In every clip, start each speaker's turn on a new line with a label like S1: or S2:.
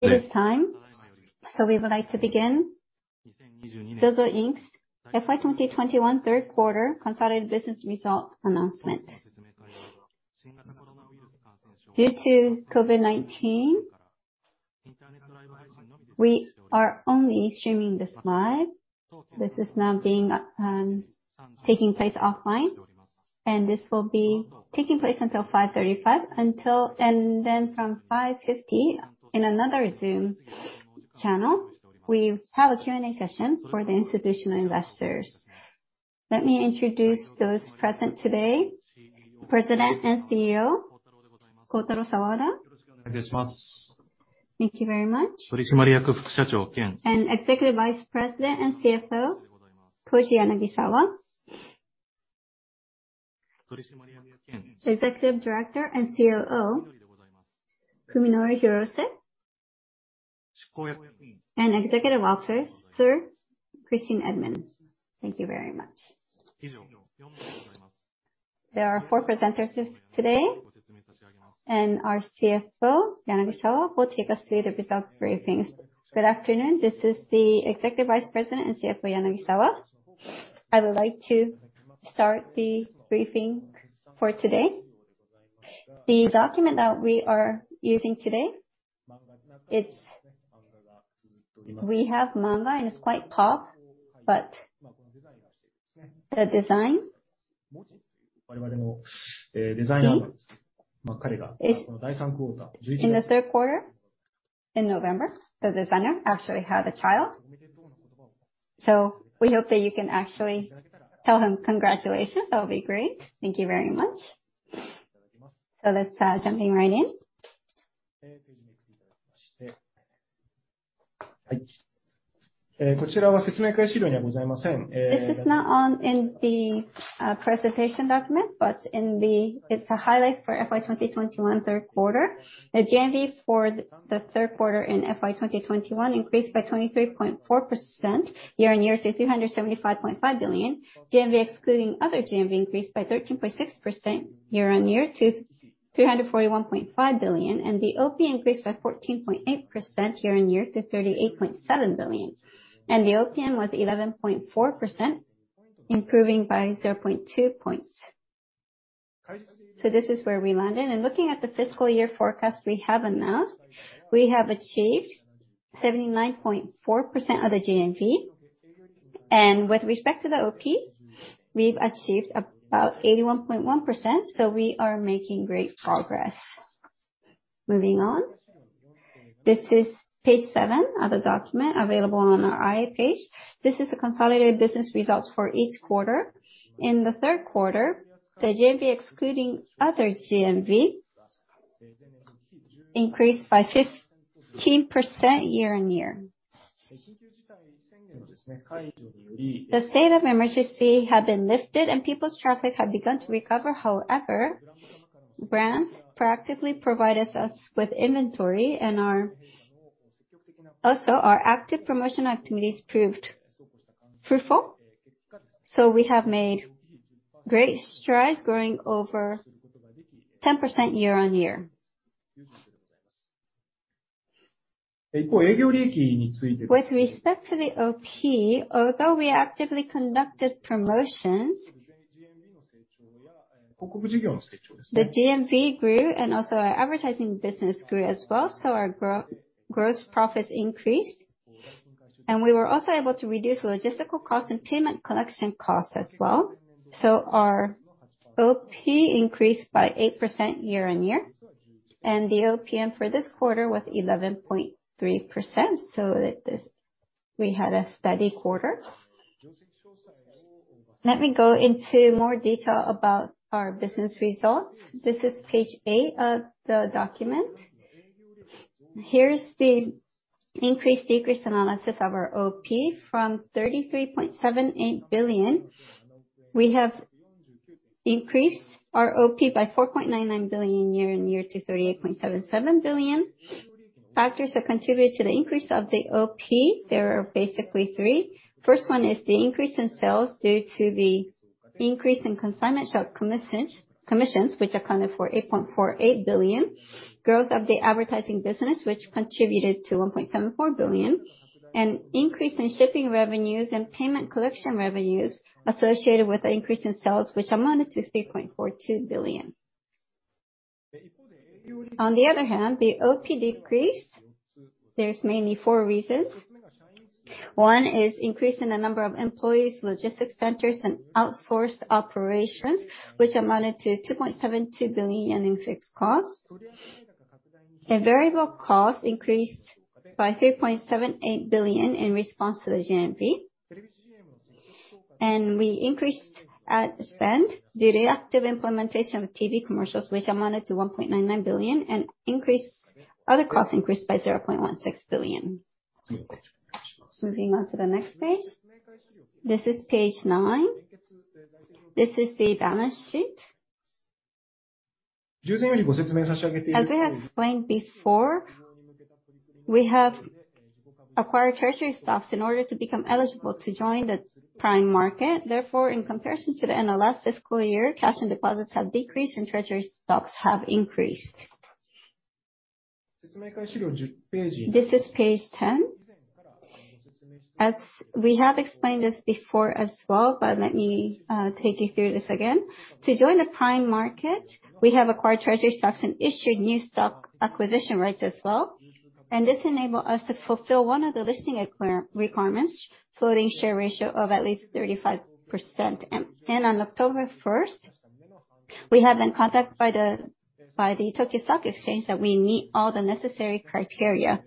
S1: It is time, so we would like to begin. ZOZO, Inc.'s FY 2021 third quarter consolidated business result announcement. Due to COVID-19, we are only streaming this live. This is now taking place offline, and this will be taking place until 5:35 P.M. and then from 5:50 P.M., in another Zoom channel, we have a Q&A session for the institutional investors. Let me introduce those present today. President and CEO Kotaro Sawada. Thank you very much. Executive Vice President and CFO Koji Yanagisawa. Executive Director and COO Fuminori Hirose. Executive Officer Christine Edman. Thank you very much. There are four presenters today, and our CFO Yanagisawa will take us through the results briefings.
S2: Good afternoon. This is the Executive Vice President and CFO Yanagisawa. I would like to start the briefing for today. The document that we are using today, it's... We have manga, and it's quite pop, but the design theme is, in the third quarter, in November, the designer actually had a child. We hope that you can actually tell him congratulations. That would be great. Thank you very much. Let's jump right in. This is not in the presentation document, but it's the highlights for FY 2021 third quarter. The GMV for the third quarter in FY 2021 increased by 23.4% year-on-year to 375.5 billion. GMV, excluding other GMV, increased by 13.6% year-on-year to 341.5 billion. The OP increased by 14.8% year-on-year to 38.7 billion. The OPM was 11.4%, improving by 0.2 points. This is where we landed. Looking at the fiscal year forecast we have announced, we have achieved 79.4% of the GMV. With respect to the OP, we've achieved about 81.1%, so we are making great progress. Moving on. This is page seven of the document available on our IR page. This is the consolidated business results for each quarter. In the third quarter, the GMV, excluding other GMV, increased by 15% year-on-year. The state of emergency had been lifted and people's traffic had begun to recover. However, brands proactively provided us with inventory and our active promotion activities proved fruitful, so we have made great strides growing over 10% year-on-year. With respect to the OP, although we actively conducted promotions, the GMV grew, and also our advertising business grew as well, so our gross profits increased. We were also able to reduce logistical costs and payment collection costs as well. Our OP increased by 8% year-on-year, and the OPM for this quarter was 11.3%, so that this we had a steady quarter. Let me go into more detail about our business results. This is page eight of the document. Here is the increase-decrease analysis of our OP. From 33.78 billion, we have increased our OP by 4.99 billion year-on-year to 38.77 billion. Factors that contributed to the increase of the OP, there are basically three. First one is the increase in sales due to the increase in consignment shop commissions, which accounted for 8.48 billion, growth of the advertising business, which contributed to 1.74 billion, and increase in shipping revenues and payment collection revenues associated with the increase in sales, which amounted to 3.42 billion. On the other hand, the OP decreased. There's mainly four reasons. One is increase in the number of employees, logistics centers, and outsourced operations, which amounted to 2.72 billion yen in fixed costs. Variable costs increased by 3.78 billion in response to the GMV. We increased ad spend due to active implementation of TV commercials, which amounted to 1.99 billion, and other costs increased by 0.16 billion. Moving on to the next page. This is page nine. This is the balance sheet. As I explained before, we have acquired treasury stocks in order to become eligible to join the Prime Market. Therefore, in comparison to the end of last fiscal year, cash and deposits have decreased and treasury stocks have increased. This is page 10. As we have explained this before as well, but let me take you through this again. To join the Prime Market, we have acquired treasury stocks and issued new stock acquisition rights as well, and this enable us to fulfill one of the listing requirements, tradable share ratio of at least 35%. On October 1st, we have been contacted by the Tokyo Stock Exchange that we meet all the necessary criteria.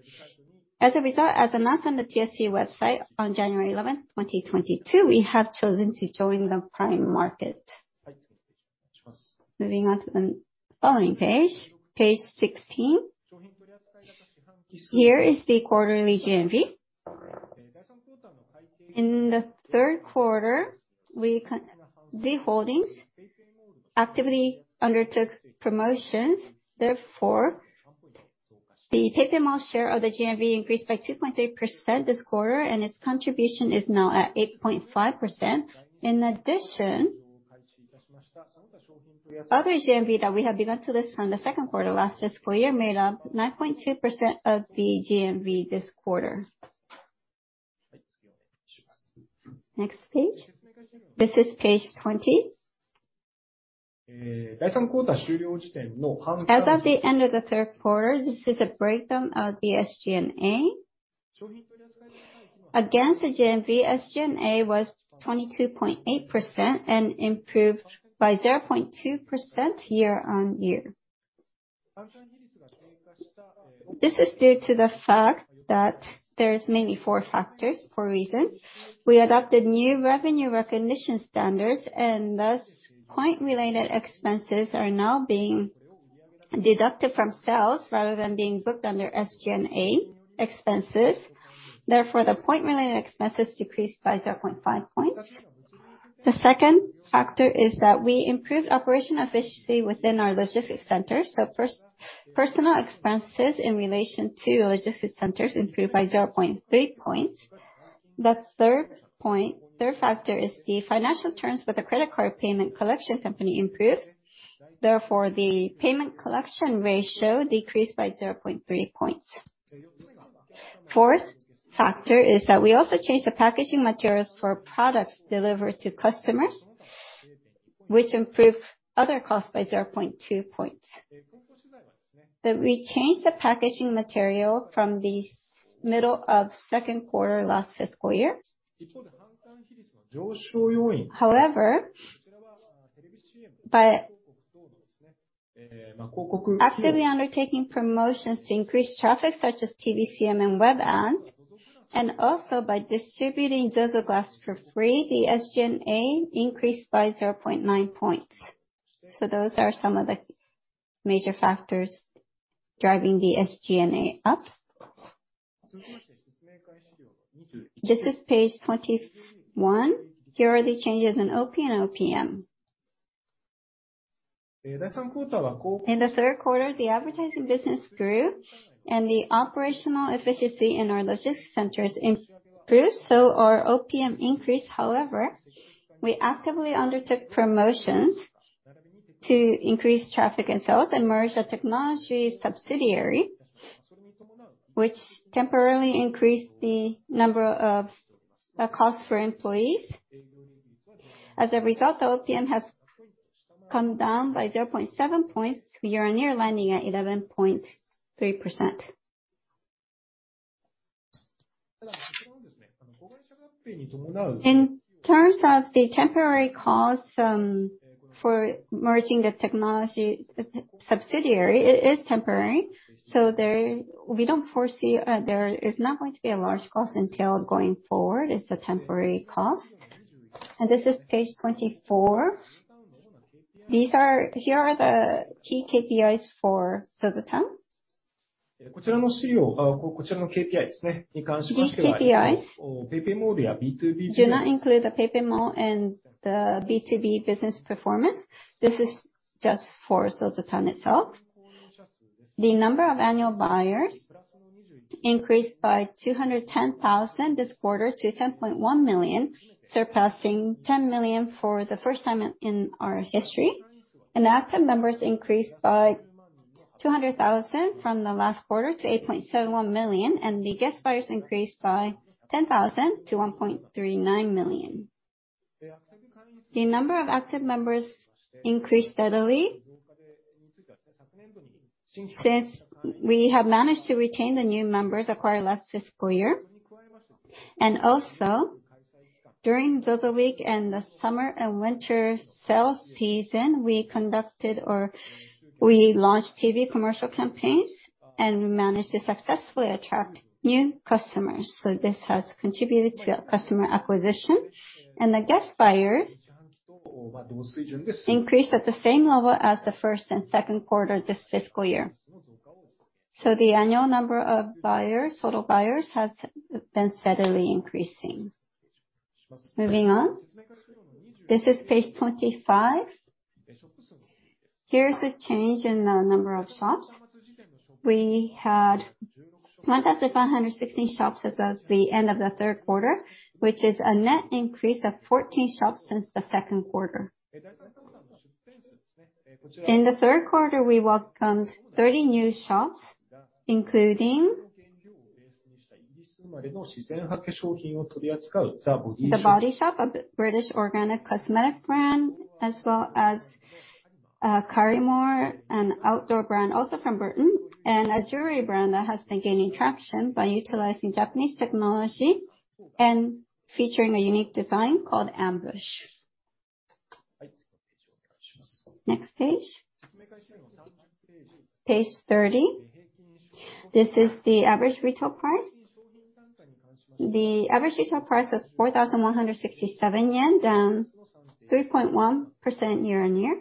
S2: As a result, as announced on the TSE website on January 11th, 2022, we have chosen to join the Prime Market. Moving on to the following page 16. Here is the quarterly GMV. In the third quarter, the holdings actively undertook promotions. Therefore, the PayPay Mall share of the GMV increased by 2.3% this quarter, and its contribution is now at 8.5%. In addition, other GMV that we have begun to list from the second quarter last fiscal year made up 9.2% of the GMV this quarter. Next page. This is page 20. As of the end of the third quarter, this is a breakdown of the SG&A. Against the GMV, SG&A was 22.8% and improved by 0.2% year-on-year. This is due to the fact that there's mainly four factors, four reasons. We adopted new revenue recognition standards, and thus point related expenses are now being deducted from sales rather than being booked under SG&A expenses. Therefore, the point related expenses decreased by 0.5%. The second factor is that we improved operational efficiency within our logistics centers. First, personnel expenses in relation to logistics centers improved by 0.3%. The third factor is that the financial terms with the credit card payment collection company improved. Therefore, the payment collection ratio decreased by 0.3 point. Fourth factor is that we also changed the packaging materials for products delivered to customers, which improved other costs by 0.2 point, that we changed the packaging material from the middle of second quarter last fiscal year. However, by actively undertaking promotions to increase traffic such as TV CM and web ads, and also by distributing ZOZOGLASS for free, the SG&A increased by 0.9 points. Those are some of the major factors driving the SG&A up. This is page 21. Here are the changes in OP and OPM. In the third quarter, the advertising business grew and the operational efficiency in our logistics centers improved, so our OPM increased. However, we actively undertook promotions to increase traffic and sales and merge the technology subsidiary, which temporarily increased the number of costs for employees. As a result, the OPM has come down by 0.7 points year-on-year, landing at 11.3%. In terms of the temporary costs for merging the technology subsidiary, it is temporary. There, we don't foresee. There is not going to be a large cost until going forward. It's a temporary cost. This is page 24. Here are the key KPIs for ZOZOTOWN. These KPIs do not include the PayPay Mall and the BtoB business performance. This is just for ZOZOTOWN itself. The number of annual buyers increased by 210,000 this quarter to 10.1 million, surpassing 10 million for the first time in our history. The active members increased by 200,000 from the last quarter to 8.71 million, and the guest buyers increased by 10,000 to 1.39 million. The number of active members increased steadily since we have managed to retain the new members acquired last fiscal year. Also, during ZOZOWEEK and the summer and winter sales season, we conducted or we launched TV commercial campaigns and managed to successfully attract new customers. This has contributed to our customer acquisition. The guest buyers increased at the same level as the first and second quarter this fiscal year. The annual number of buyers, total buyers, has been steadily increasing. Moving on. This is page 25. Here is the change in the number of shops. We had 1,516 shops as of the end of the third quarter, which is a net increase of 14 shops since the second quarter. In the third quarter, we welcomed 30 new shops, including The Body Shop, a British organic cosmetic brand, as well as Karrimor, an outdoor brand also from Britain, and a jewelry brand that has been gaining traction by utilizing Japanese technology and featuring a unique design called Ambush. Next page. Page 30. This is the average retail price. The average retail price was 4,167 yen, down 3.1% year-on-year.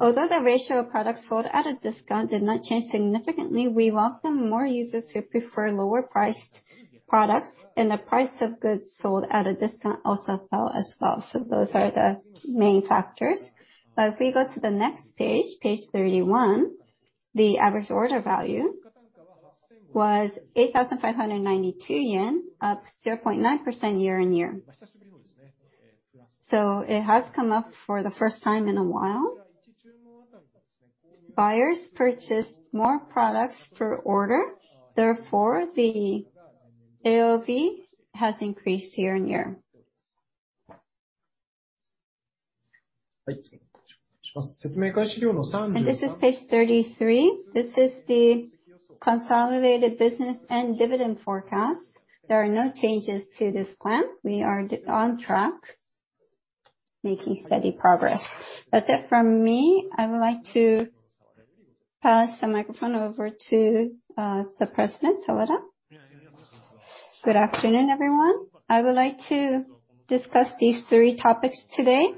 S2: Although the ratio of products sold at a discount did not change significantly, we welcome more users who prefer lower priced products, and the price of goods sold at a discount also fell as well. Those are the main factors. If we go to the next page 31, the average order value was 8,592 yen, up 0.9% year-on-year. It has come up for the first time in a while. Buyers purchased more products per order, therefore, the AOV has increased year-on-year. This is page 33. This is the consolidated business and dividend forecast. There are no changes to this plan. We are on track, making steady progress. That's it from me. I would like to pass the microphone over to the President Sawada.
S3: Good afternoon, everyone. I would like to discuss these three topics today.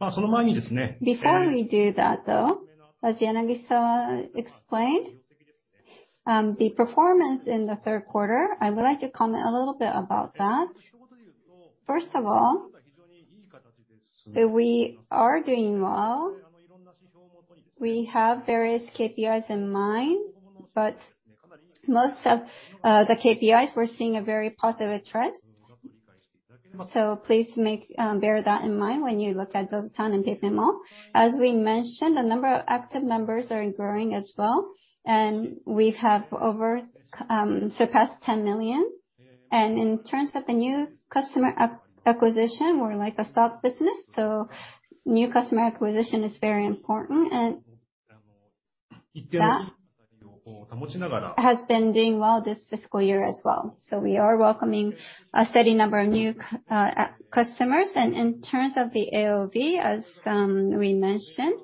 S3: Before we do that, though, as Yanagisawa explained, the performance in the third quarter, I would like to comment a little bit about that. First of all, we are doing well. We have various KPIs in mind, but most of the KPIs, we're seeing a very positive trend. Please bear that in mind when you look at ZOZOTOWN and PayPay Mall. As we mentioned, the number of active members are growing as well, and we have over surpassed 10 million. In terms of the new customer acquisition, we're like a stock business, so new customer acquisition is very important. That has been doing well this fiscal year as well. We are welcoming a steady number of new customers. In terms of the AOV, as we mentioned,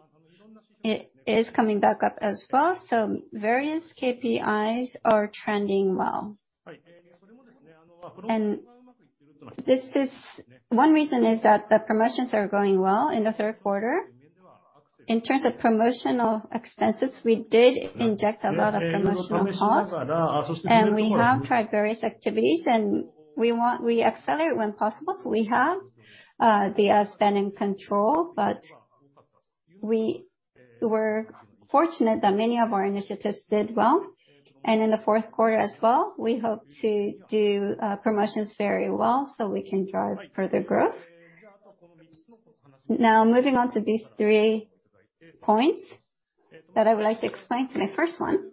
S3: it is coming back up as well, so various KPIs are trending well. This is one reason the promotions are going well in the third quarter. In terms of promotional expenses, we did inject a lot of promotional costs, and we have tried various activities, and we accelerate when possible, so we have the ad spend in control. We were fortunate that many of our initiatives did well. In the fourth quarter as well, we hope to do promotions very well, so we can drive further growth. Now, moving on to these three points that I would like to explain. My first one,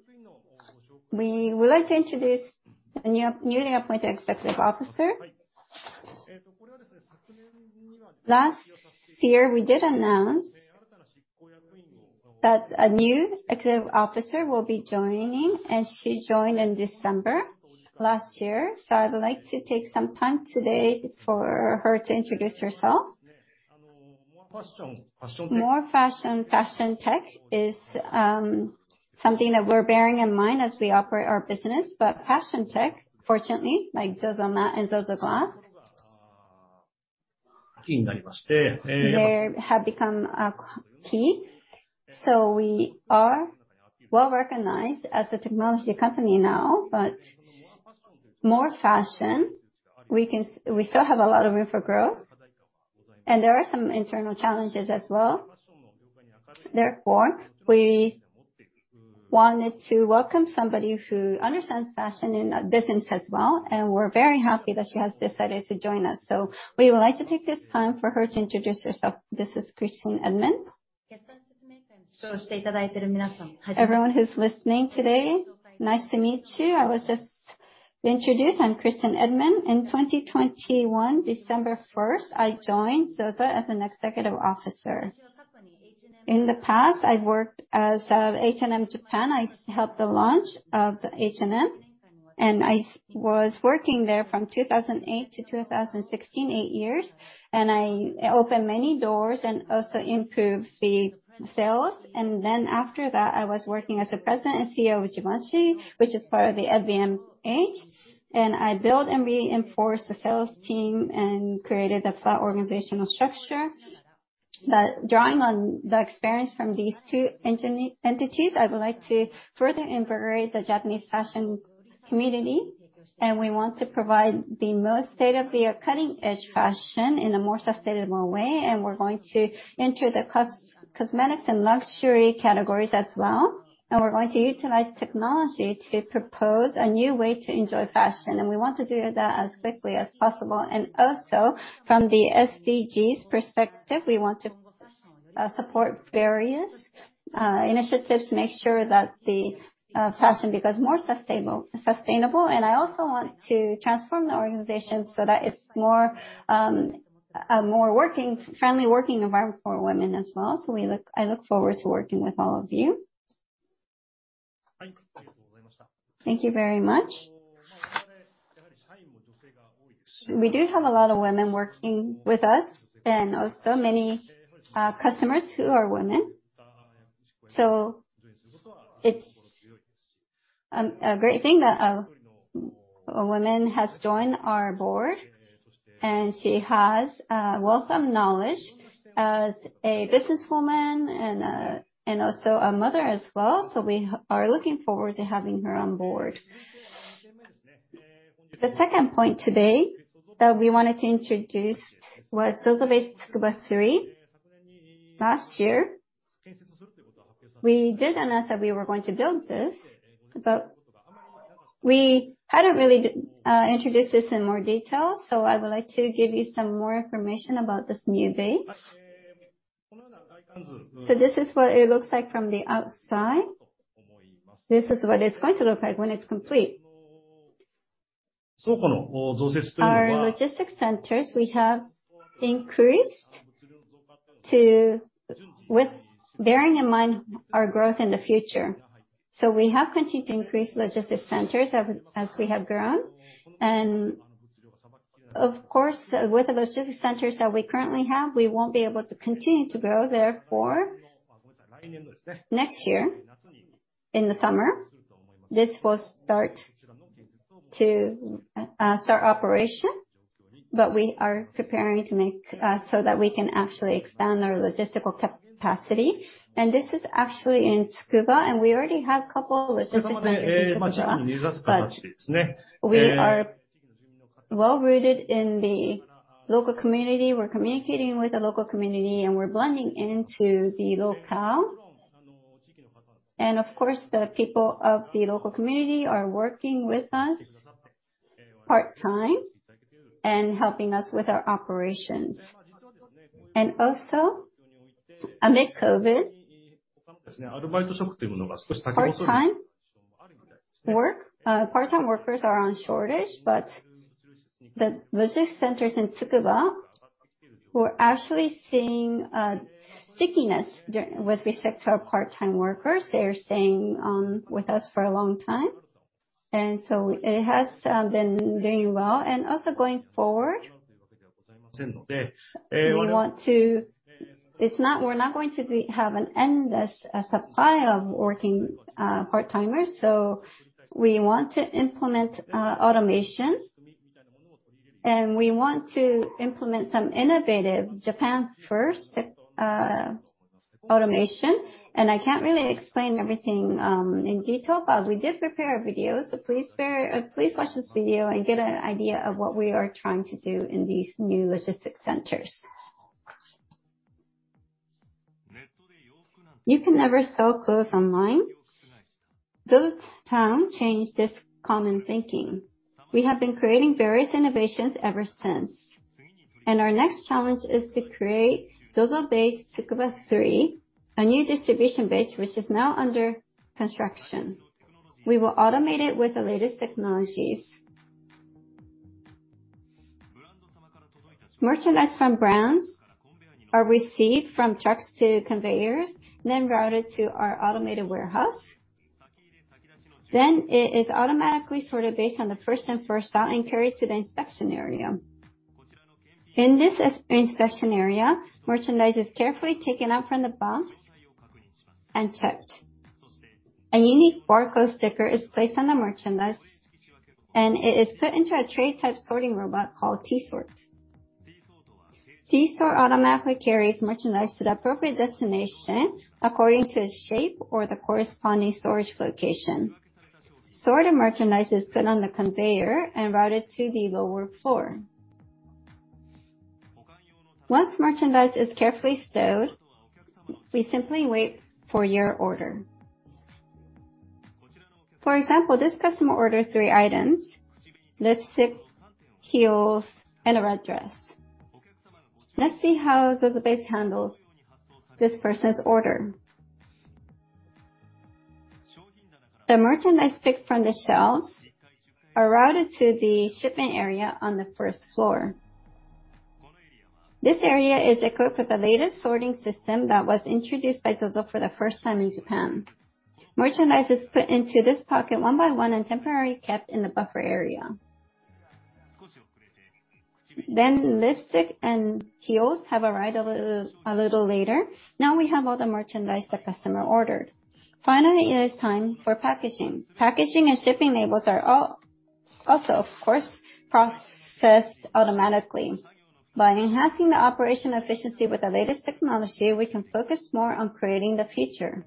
S3: we would like to introduce a new, newly appointed Executive Officer. Last year, we did announce that a new Executive Officer will be joining, and she joined in December last year. I would like to take some time today for her to introduce herself. More fashion tech is something that we're bearing in mind as we operate our business. But fashion tech, fortunately, like ZOZOMAT and ZOZOGLASS, they have become a key. We are well-recognized as a technology company now, but more fashion, we still have a lot of room for growth, and there are some internal challenges as well. Therefore, we wanted to welcome somebody who understands fashion and, business as well, and we're very happy that she has decided to join us. We would like to take this time for her to introduce herself. This is Christine Edman.
S4: Everyone who's listening today, nice to meet you. I was just introduced. I'm Christine Edman. In 2021, December 1st, I joined ZOZO as an Executive Officer. In the past, I've worked as H&M Japan. I helped the launch of H&M, and I was working there from 2008 to 2016, eight years. After that, I was working as the President and CEO of Givenchy, which is part of the LVMH. I built and reinforced the sales team and created a flat organizational structure. Drawing on the experience from these two entities, I would like to further embrace the Japanese fashion community, and we want to provide the most state-of-the-art, cutting-edge fashion in a more sustainable way. We're going to enter the cosmetics and luxury categories as well. We're going to utilize technology to propose a new way to enjoy fashion. We want to do that as quickly as possible. Also, from the SDGs perspective, we want to support various initiatives, make sure that the fashion becomes more sustainable. I also want to transform the organization so that it's more friendly working environment for women as well. I look forward to working with all of you. Thank you very much.
S3: We do have a lot of women working with us and also many customers who are women. It's a great thing that a woman has joined our board, and she has wealth of knowledge as a businesswoman and also a mother as well. We are looking forward to having her on board. The second point today that we wanted to introduce was ZOZOBASE Tsukuba 3. Last year, we did announce that we were going to build this, but we hadn't really introduced this in more detail. I would like to give you some more information about this new base. This is what it looks like from the outside. This is what it's going to look like when it's complete. Our logistics centers, we have increased to, with bearing in mind our growth in the future. We have continued to increase logistics centers as we have grown. Of course, with the logistics centers that we currently have, we won't be able to continue to grow. Therefore, next year, in the summer, this will start operation. We are preparing so that we can actually expand our logistical capacity. This is actually in Tsukuba, and we already have a couple logistics centers in Tsukuba. We are well-rooted in the local community. We're communicating with the local community, and we're blending into the locale. Of course, the people of the local community are working with us part-time and helping us with our operations. Amid COVID, part-time workers are in short supply. The logistics centers in Tsukuba, we're actually seeing stickiness with respect to our part-time workers. They are staying with us for a long time. It has been doing well. Also, going forward, we're not going to have an endless supply of working part-timers, so we want to implement automation, and we want to implement some innovative Japan-first automation. I can't really explain everything in detail, but we did prepare a video. Please watch this video and get an idea of what we are trying to do in these new logistics centers.
S5: You can never sell clothes online? ZOZOTOWN changed this common thinking. We have been creating various innovations ever since. Our next challenge is to create ZOZOBase Tsukuba 3, a new distribution base which is now under construction. We will automate it with the latest technologies. Merchandise from brands are received from trucks to conveyors, then routed to our automated warehouse. It is automatically sorted based on the first-in, first-out and carried to the inspection area. In this inspection area, merchandise is carefully taken out from the box and checked. A unique barcode sticker is placed on the merchandise, and it is put into a tray-type sorting robot called T-Sort. T-Sort automatically carries merchandise to the appropriate destination according to its shape or the corresponding storage location. Sorted merchandise is put on the conveyor and routed to the lower floor. Once merchandise is carefully stowed, we simply wait for your order. For example, this customer ordered three items: lipstick, heels, and a red dress. Let's see how ZOZOBASE handles this person's order. The merchandise picked from the shelves are routed to the shipment area on the first floor. This area is equipped with the latest sorting system that was introduced by ZOZO for the first time in Japan. Merchandise is put into this pocket one by one and temporarily kept in the buffer area. Lipstick and heels have arrived a little later. Now we have all the merchandise the customer ordered. Finally, it is time for packaging. Packaging and shipping labels are also, of course, processed automatically. By enhancing the operation efficiency with the latest technology, we can focus more on creating the future.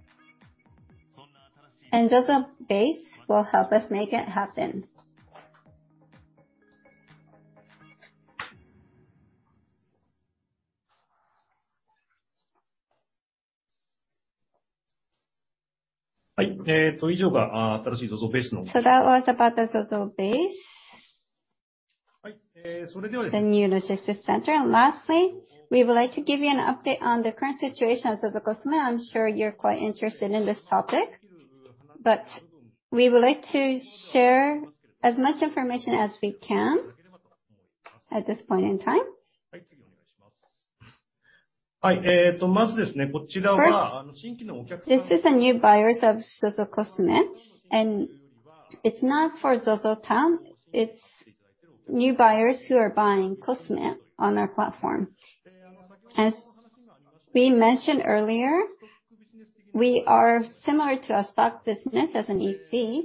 S5: ZOZOBASE will help us make it happen.
S3: That was about the ZOZOBASE, the new logistics center. Lastly, we would like to give you an update on the current situation of ZOZOCOSME. I'm sure you're quite interested in this topic, but we would like to share as much information as we can at this point in time. First, this is the new buyers of ZOZOCOSME, and it's not for ZOZOTOWN. It's new buyers who are buying COSME on our platform. As we mentioned earlier, we are similar to a stock business as an EC,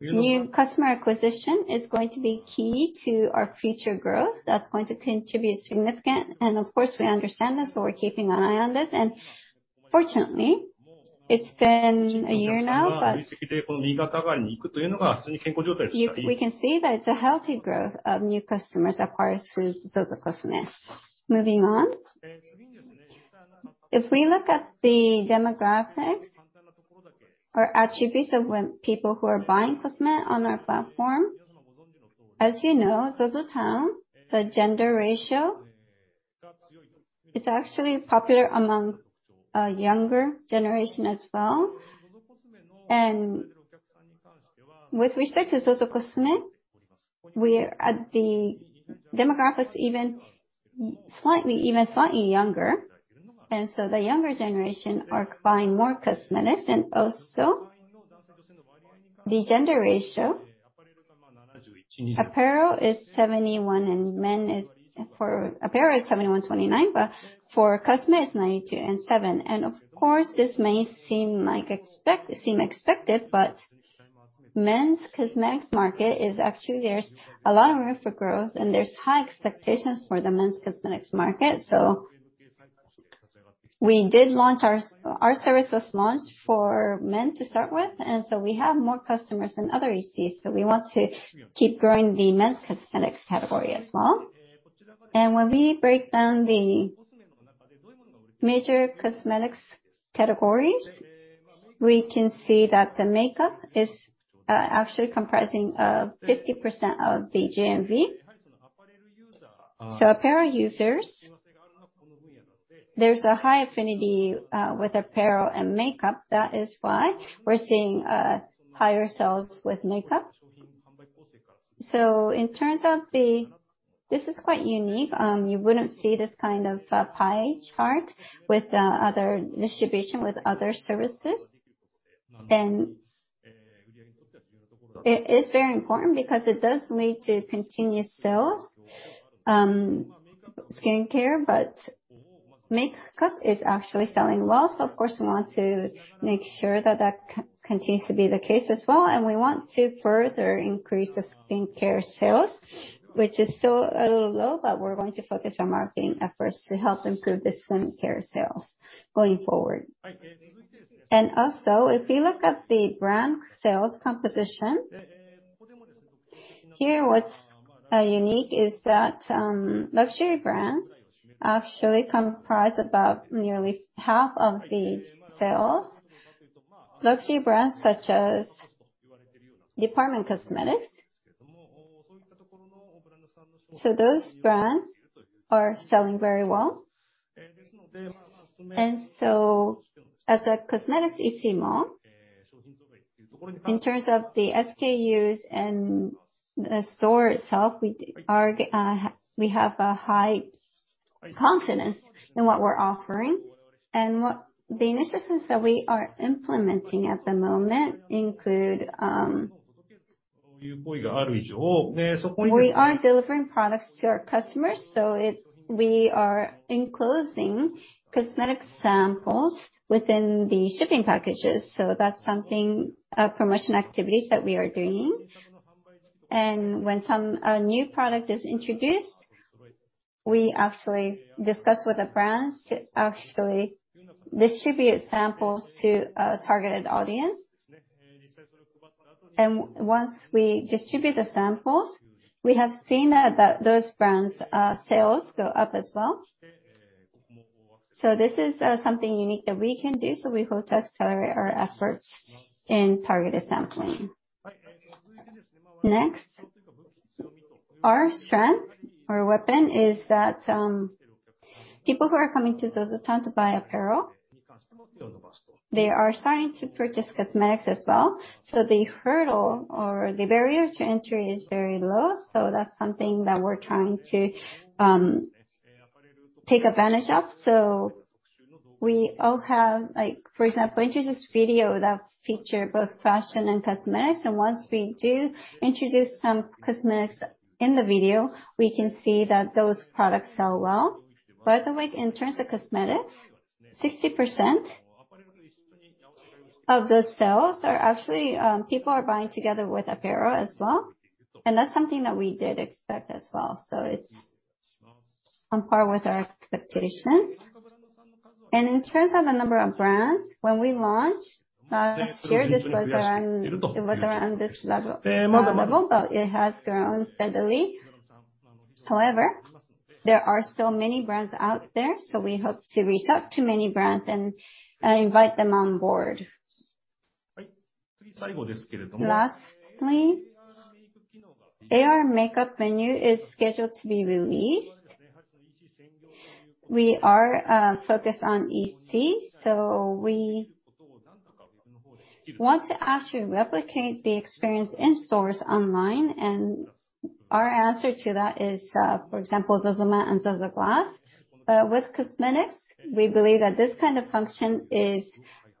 S3: so new customer acquisition is going to be key to our future growth. That's going to contribute significantly. Of course, we understand this, so we're keeping an eye on this. Fortunately, it's been a year now, but we can see that it's a healthy growth of new customers acquired through ZOZOCOSME. Moving on. If we look at the demographics or attributes of the people who are buying COSME on our platform, as you know, ZOZOTOWN, the gender ratio, it's actually popular among a younger generation as well. With respect to ZOZOCOSME, the demographics are even slightly younger. The younger generation are buying more cosmetics. Also the gender ratio, apparel is 71. For apparel, is 71-29, but for COSME it's 92 and [seven]. Of course, this may seem like seem expected, but men's cosmetics market is actually, there's a lot of room for growth, and there's high expectations for the men's cosmetics market. We did launch our service this month for men to start with, and so we have more customers than other ECs. We want to keep growing the men's cosmetics category as well. When we break down the major cosmetics categories, we can see that the makeup is actually comprising 50% of the GMV. Apparel users, there's a high affinity with apparel and makeup. That is why we're seeing higher sales with makeup. It turns out. This is quite unique. You wouldn't see this kind of pie chart with other distribution, with other services. It is very important, because it does lead to continuous sales, skin care, but makeup is actually selling well. Of course, we want to make sure that that continues to be the case as well, and we want to further increase the skin care sales, which is still a little low, but we're going to focus on marketing efforts to help improve the skin care sales going forward. Also, if you look at the brand sales composition, here what's unique is that, luxury brands actually comprise about nearly half of the sales. Luxury brands such as department cosmetics. Those brands are selling very well. As a cosmetics EC mall, in terms of the SKUs and the store itself, we have a high confidence in what we're offering. The initiatives that we are implementing at the moment include we are delivering products to our customers, we are enclosing cosmetic samples within the shipping packages. That's something, promotion activities that we are doing. When some new product is introduced, we actually discuss with the brands to actually distribute samples to a targeted audience. Once we distribute the samples, we have seen that those brands sales go up as well. This is something unique that we can do. We hope to accelerate our efforts in targeted sampling. Next, our strength, our weapon is that, people who are coming to ZOZOTOWN to buy apparel, they are starting to purchase cosmetics as well. The hurdle or the barrier to entry is very low, so that's something that we're trying to take advantage of. We all have, like, for example, introduce video that feature both fashion and cosmetics. Once we do introduce some cosmetics in the video, we can see that those products sell well. By the way, in terms of cosmetics, 60% of the sales are actually people are buying together with apparel as well. That's something that we did expect as well. It's on par with our expectations. In terms of the number of brands, when we launched last year, this was around this level, but it has grown steadily. However, there are still many brands out there, so we hope to reach out to many brands and invite them on board. Lastly, AR makeup menu is scheduled to be released. We are focused on EC, so we want to actually replicate the experience in stores online. Our answer to that is, for example, ZOZOMAT and ZOZOGLASS. With cosmetics, we believe that this kind of function is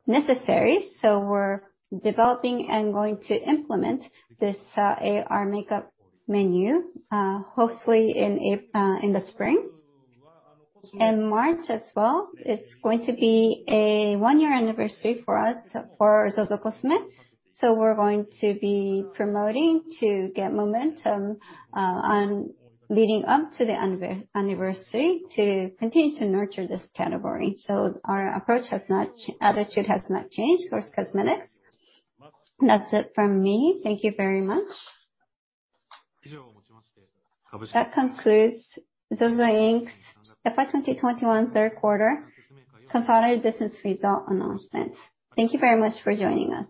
S3: necessary. We're developing and going to implement this AR makeup menu, hopefully in the spring. In March as well, it's going to be a one-year anniversary for us, for ZOZOCOSME, so we're going to be promoting to get momentum on leading up to the anniversary to continue to nurture this category. Our approach has not changed towards cosmetics. That's it from me. Thank you very much.
S1: That concludes ZOZO, Inc.'s FY 2021 third quarter consolidated business result announcement. Thank you very much for joining us.